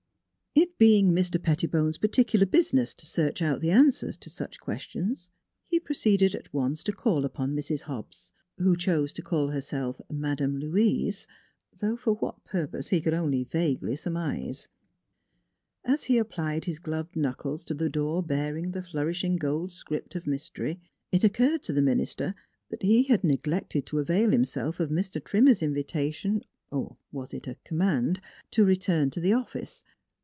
IT being Mr. Pettibone's particular business to search out the answer to such questions, he proceeded at once to call upon Mrs. Hobbs, who chose to call herself " Madame Louise " though for what purpose he could only vaguely surmise. As he applied his gloved knuckles to the door bearing the flourishing gold script of mystery, it occurred to the minister that he had neglected to avail himself of Mr. Trimmer's invi tation or was it a command? to return to the office.